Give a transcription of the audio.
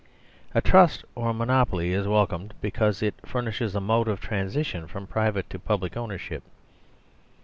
A trust or monopoly is welcomed because it " furnishes a mode of transition from private to public ownership."